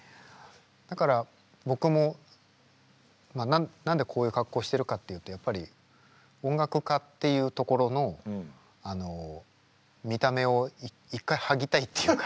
だから僕もまあ何でこういう格好してるかっていうとやっぱり音楽家っていうところの見た目を一回剥ぎたいっていうか。